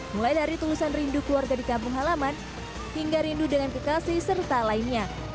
mulai dari tulisan rindu keluarga di kampung halaman hingga rindu dengan kekasih serta lainnya